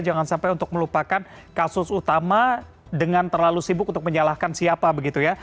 jangan sampai untuk melupakan kasus utama dengan terlalu sibuk untuk menyalahkan siapa begitu ya